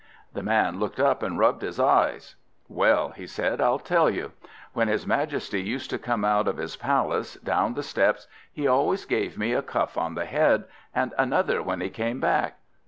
The man looked up and rubbed his eyes. "Well," said he, "I'll tell you. When his majesty used to come out of his palace, down the steps, he always gave me a cuff on the head, and another when he came back.